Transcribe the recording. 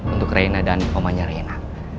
untuk reina dan omannya reina